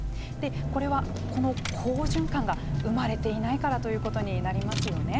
これは、この好循環が生まれていないからということになりますよね。